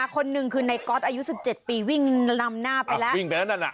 คนนึงคือนายก๊อตอายุ๑๗ปีวิ่งนำหน้าไปแล้ว